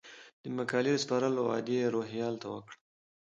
د مقالې د سپارلو وعده یې روهیال ته وکړه.